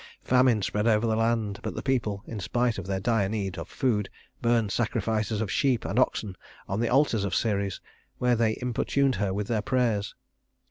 Famine spread over the land, but the people, in spite of their dire need of food, burned sacrifices of sheep and oxen on the altars of Ceres, while they importuned her with their prayers.